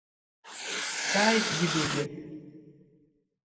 Дҵааит Дигәагьы.